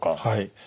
はい。